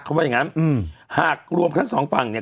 เขาว่าอย่างงั้นอืมหากรวมทั้งสองฝั่งเนี่ย